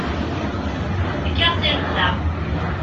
Fkiɣ-tt i lexla.